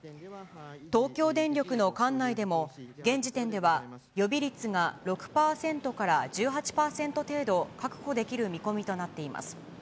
東京電力の管内でも、現時点では予備率が６％から１８％程度、確保できる見込みとなっています。